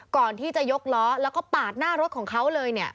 ก่อนที่จะยกล้อแล้วก็ปาดหน้ารถของเขาเลยเนี่ย